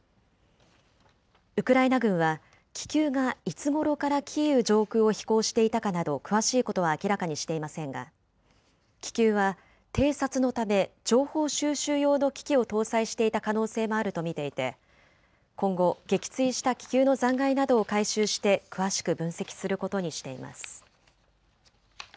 ウクライナ軍は気球がいつごろからキーウ上空を飛行していたかなど詳しいことは明らかにしていませんが気球は偵察のため情報収集用の機器を搭載していた可能性もあると見ていて今後、撃墜した気球の残骸などを回収して詳しく分析することにしています。